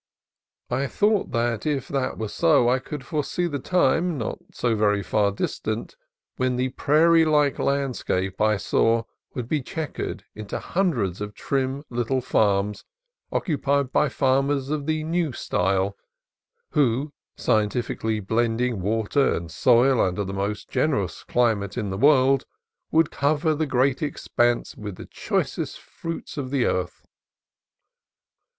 I thought that if that were so I could foresee the time, not very far distant, when the prairie like landscape I saw would be chequered into hundreds of trim little farms, occupied by Farmers of the New Style, who, scien tifically blending water and soil under the most generous climate in the world, would cover the great expanse with the choicest fruits of the earth.